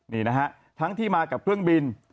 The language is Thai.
นี่นะฮะทั้งที่มากับเครื่องบิน